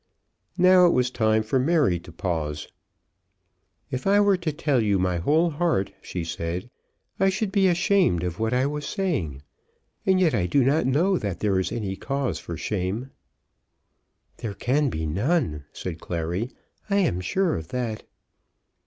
Now it was time for Mary to pause. "If I were to tell you my whole heart," she said, "I should be ashamed of what I was saying; and yet I do not know that there is any cause for shame." "There can be none," said Clary. "I am sure of that."